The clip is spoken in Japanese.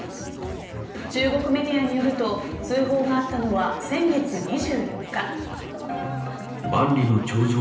中国メディアによると通報があったのは先月２４日。